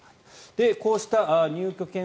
こうした入居権